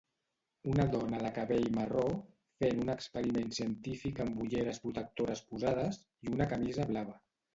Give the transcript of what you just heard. Una dona de cabell marró fent un experiment científic amb ulleres protectores posades i una camisa blava.